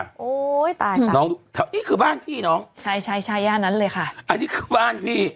น้องช่วยเยอะเลยโ้ยตายปะนี่คือบ้านพี่น้องใช่ใช่แบบนั้นเลยค่ะอันนี้คือบ้านพี่